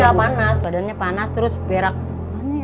iya panas badannya panas terus berak berak